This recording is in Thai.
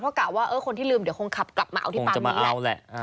กะว่าคนที่ลืมเดี๋ยวคงขับกลับมาเอาที่ปั๊มอีก